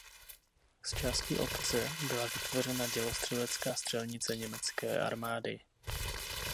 Z části obce byla vytvořena dělostřelecká střelnice německé armády.